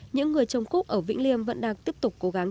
những người trồng cúp ở vĩnh liêm vẫn đang tiếp tục cố gắng